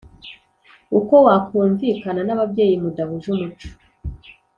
Uko wakumvikana n ababyeyi mudahuje umuco